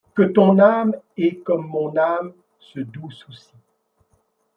Que ton âme ait comme mon âme, Ce doux souci !